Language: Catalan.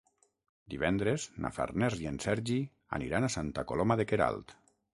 Divendres na Farners i en Sergi aniran a Santa Coloma de Queralt.